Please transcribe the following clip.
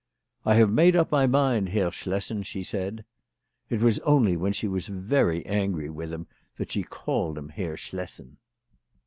" I have made up my mind. Herr Schlessen/' she said. It was only when she was very angry with him that she called him Herr Schlessen.